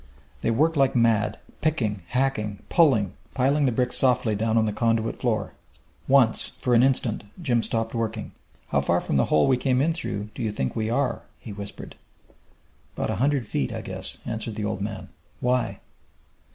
They worked like mad, picking, hacking, pulling, piling the bricks softly down on the conduit floor. Once, for an instant, Jim stopped working. "How far from the hole we came in through, do you think we are?" he whispered. "'Bout a hundred feet, I guess," answered the old man. "Why?"